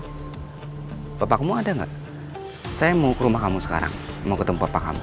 hai bapakmu ada nggak saya mau ke rumah kamu sekarang mau ketemu bapak kamu